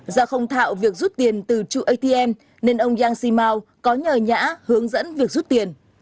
do không thạo việc rút tiền từ trụ atm nên ông yang xi mao có nhờ nhã hướng dẫn việc rút tiền